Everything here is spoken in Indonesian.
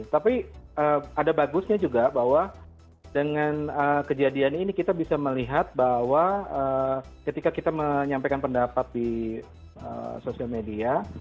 tapi ada bagusnya juga bahwa dengan kejadian ini kita bisa melihat bahwa ketika kita menyampaikan pendapat di sosial media